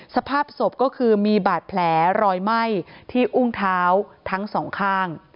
สภาพศพก็คือมีบาดแผลรอยไหม้ที่อุ้งเท้าทั้งสองข้าง